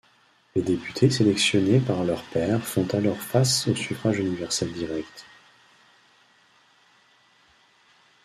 Les députés sélectionnés par leurs pairs font alors face au suffrage universel direct.